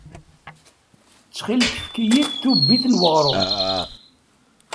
Ttxil-k, efk-iyi-d tubbit n weɣrum.